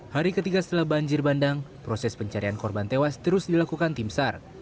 hari ketiga setelah banjir bandang proses pencarian korban tewas terus dilakukan tim sar